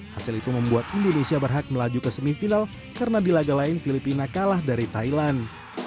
hasil itu membuat indonesia berhak melaju ke semifinal karena di laga lain filipina kalah dari thailand